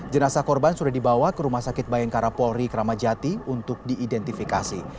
jenazah korban sudah dibawa ke rumah sakit bayangkara polri kramajati untuk diidentifikasi